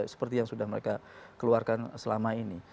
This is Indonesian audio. seperti yang sudah mereka keluarkan selama ini